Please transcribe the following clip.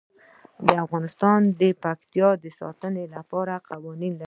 افغانستان د پکتیا د ساتنې لپاره قوانین لري.